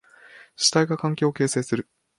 主体が環境を形成する。